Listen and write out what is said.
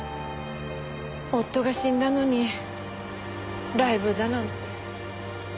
夫が死んだのにライブだなんて。